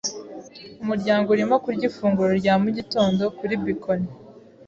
Umuryango urimo kurya ifunguro rya mugitondo kuri bkoni.